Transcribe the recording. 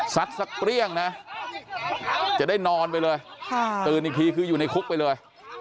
สักสักเปรี้ยงนะจะได้นอนไปเลยตื่นอีกทีคืออยู่ในคุกไปเลย